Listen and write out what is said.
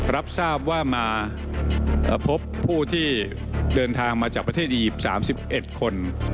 รับทราบว่ามาพบผู้ที่เดินทางมาจากประเทศอียิปต์๓๑คน